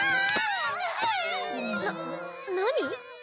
な何？